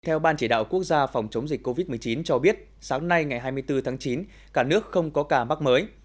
theo ban chỉ đạo quốc gia phòng chống dịch covid một mươi chín cho biết sáng nay ngày hai mươi bốn tháng chín cả nước không có ca mắc mới